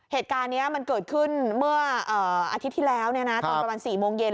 เหตุการณ์นี้มันเกิดขึ้นเมื่ออาทิตย์ที่แล้วตอนประมาณ๔โมงเย็น